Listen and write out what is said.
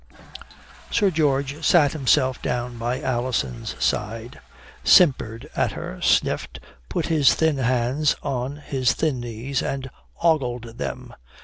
Sir George sat himself down by Alison's side, simpered at her, sniffed, put his thin hands on his thin knees and ogled them.